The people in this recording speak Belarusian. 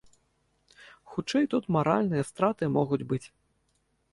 Хутчэй, тут маральныя страты могуць быць.